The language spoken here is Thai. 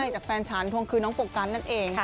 จากแฟนฉันทวงคืนน้องโฟกัสนั่นเอง